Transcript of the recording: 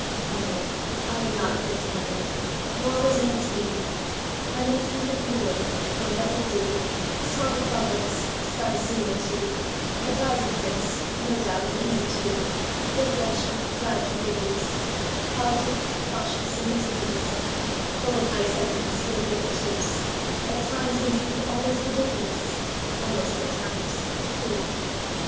……..No! I am not Prince Hamlet, nor was meant to be; Am an attendant lord, one that will doTo swell a progress, start a scene or two, Advise the prince; no doubt, an easy tool, Deferential, glad to be of use, Politic, cautious, and meticulous; Full of high sentence, but a bit obtuse; At times, indeed, almost ridiculous—Almost, at times, the Fool.